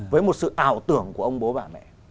với một sự ảo tưởng của ông bố bà mẹ